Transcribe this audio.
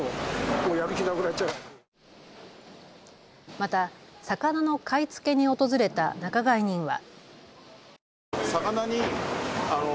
また魚の買い付けに訪れた仲買人は。